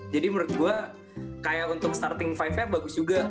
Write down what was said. jadi menurut gue kayak untuk starting lima nya bagus juga